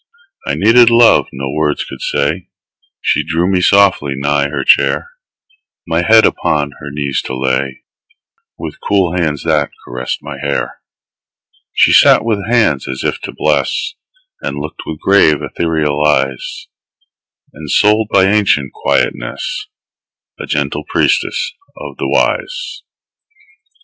I needed love no words could say; She drew me softly nigh her chair, My head upon her knees to lay, With cool hands that caressed my hair. She sat with hands as if to bless, And looked with grave, ethereal eyes; Ensouled by ancient quietness, A gentle priestess of the Wise.